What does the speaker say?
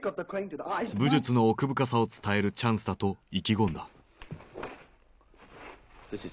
武術の奥深さを伝えるチャンスだと意気込んだ。